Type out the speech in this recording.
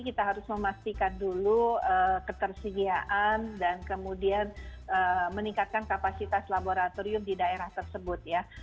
kita harus memastikan dulu ketersediaan dan kemudian meningkatkan kapasitas laboratorium di daerah tersebut ya